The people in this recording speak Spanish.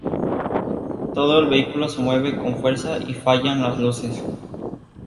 Todo el vehículo se mueve con fuerza y fallan las luces.